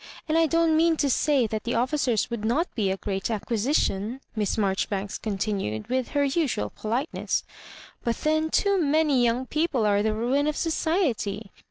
And I don't mean to say that the officers would not be a great acquisition/' Miss Maijoribanks continued, with her usual politeness ;" but then too maay young people are the ruin of society.